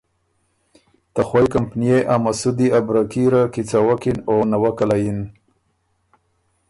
ته خوئ کمپنيې ا مسُودی ا بره کي ره کیڅوکِن او نوَکه له یِن۔